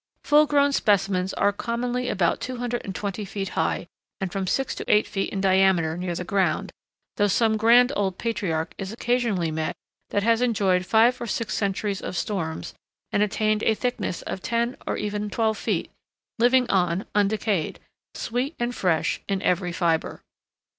Full grown specimens are commonly about 220 feet high, and from six to eight feet in diameter near the ground, though some grand old patriarch is occasionally met that has enjoyed five or six centuries of storms, and attained a thickness of ten or even twelve feet, living on undecayed, sweet and fresh in every fiber.